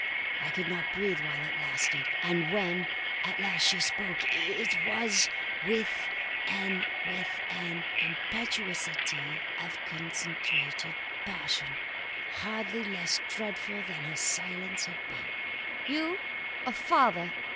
I could not breathe while it lasted; and when at last she spoke, it was with an impetuosity of concentrated passion, hardly less dreadful than her silence had been. "'You a father!